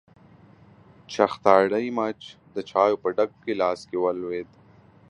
چختاړي مچ د چايو په ډک ګيلاس کې ولوېد.